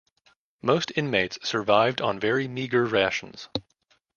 Most inmates survived on very meagre rations.